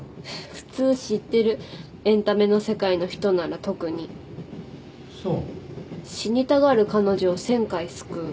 普通知ってるエンタメの世界の人なら特にそう「死にたがる彼女を１０００回救う」